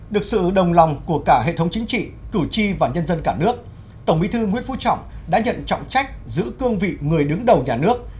được sự đồng lòng của cả hệ thống chính trị cử tri và nhân dân cả nước tổng bí thư nguyễn phú trọng đã nhận trọng trách giữ cương vị người đứng đầu nhà nước